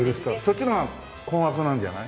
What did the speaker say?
そっちの方が高額なんじゃない？